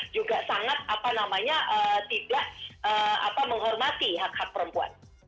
juga sangat apa namanya tidak menghormati hak hak perempuan